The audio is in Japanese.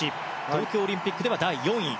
東京オリンピックでは第４位。